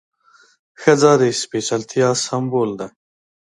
ښځه د سپېڅلتیا سمبول ده.